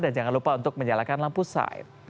dan jangan lupa untuk menyalakan lampu side